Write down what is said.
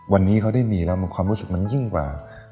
วันนี้เขาได้มีแล้วความรู้สึกมันยิ่งกว่า